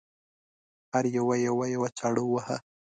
هر یوه یوه یوه چاړه وواهه.